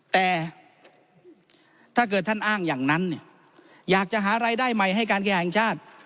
แต่ถ้าเกิดท่านอ้างอย่างนั้นเนี่ยอยากจะหารายได้ใหม่ให้การแข่งชาติ